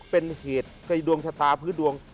เป็นเหตุในดวงชะตาพื้นดวง